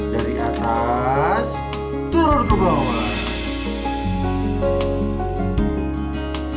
dari atas turun ke bawah